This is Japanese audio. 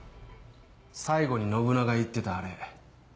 最後に信長が言ってたあれ